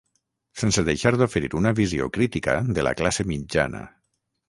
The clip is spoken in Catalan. Sense deixar d'oferir una visió crítica de la classe mitjana.